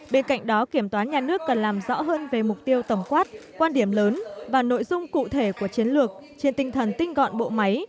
bên cạnh đó kiểm toán nhà nước cần làm rõ hơn về mục tiêu tổng quát quan điểm lớn và nội dung cụ thể của chiến lược trên tinh thần tinh gọn bộ máy